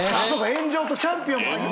「炎上チャンピオン」。